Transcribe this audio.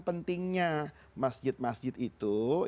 pentingnya masjid masjid itu